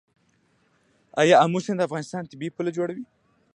آیا امو سیند د افغانستان طبیعي پوله جوړوي؟